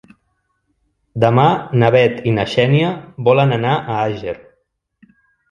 Demà na Bet i na Xènia volen anar a Àger.